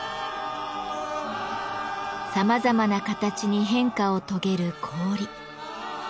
さまざまな形に変化を遂げる氷。